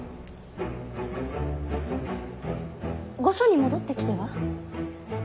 御所に戻ってきては？